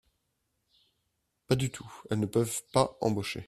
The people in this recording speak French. Pas du tout, elles ne peuvent pas embaucher